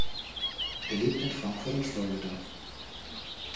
Er lebt in Frankfurt und Florida.